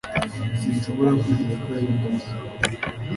sinshobora kwizera ko yabikoze